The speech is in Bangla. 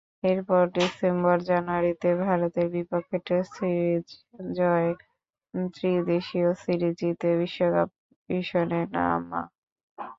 এরপর ডিসেম্বর-জানুয়ারিতে ভারতের বিপক্ষে টেস্ট সিরিজ জয়, ত্রিদেশীয় সিরিজ জিতে বিশ্বকাপ-মিশনে নামা।